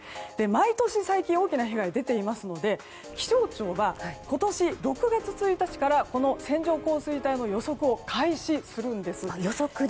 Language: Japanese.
毎年、最近大きな被害が出ていますので気象庁は今年６月１日から線状降水帯の予測を開始するんです。